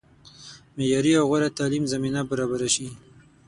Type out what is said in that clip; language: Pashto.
معیاري او غوره تعلیم زمینه برابره شي.